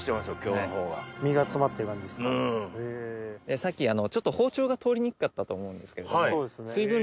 さっき包丁が通りにくかったと思うんですけれども。